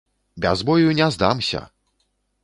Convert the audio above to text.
Без бою не здамся!